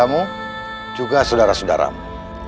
kamu juga saudara saudaramu